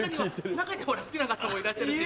中には好きな方もいらっしゃるし。